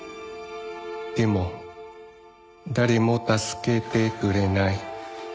「でもだれもたすけてくれない！」